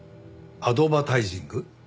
アドバタイジング？